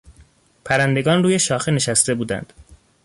پرندگان روی شاخه نشسته بودند.